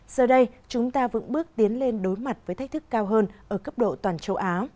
giờ đây chúng ta vững bước tiến lên đối mặt với thách thức cao hơn ở cấp độ toàn châu á